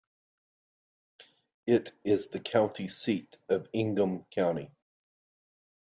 It is the county seat of Ingham County.